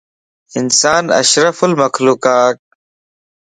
انسان اشرفُ المخلوقَ